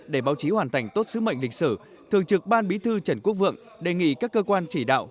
để báo chí hoàn thành tốt sứ mệnh lịch sử thường trực ban bí thư trần quốc vượng đề nghị các cơ quan chỉ đạo